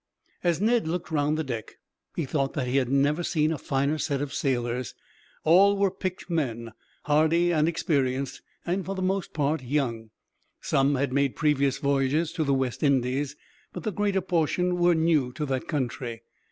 As Ned looked round the deck, he thought that he had never seen a finer set of sailors. All were picked men, hardy and experienced, and for the most part young. Some had made previous voyages to the West Indies, but the greater portion were new to that country.